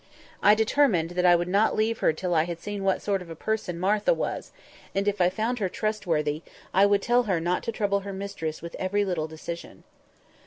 I determined that I would not leave her till I had seen what sort of a person Martha was; and, if I found her trustworthy, I would tell her not to trouble her mistress with every little decision.